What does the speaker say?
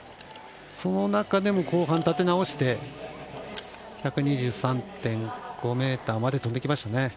その中でも、後半立て直して１２３．５ｍまで飛んできましたね。